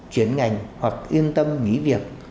chuyển ngành hoặc yên tâm nghỉ việc